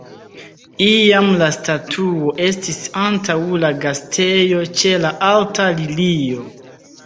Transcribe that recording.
Iam la statuo estis antaŭ la Gastejo ĉe la alta lilio.